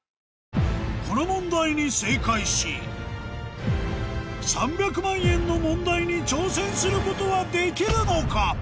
この問題に正解し３００万円の問題に挑戦することはできるのか？